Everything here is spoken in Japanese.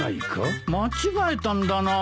間違えたんだなぁ。